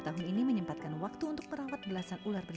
dan sebagian lagi ia dapat dari orang lain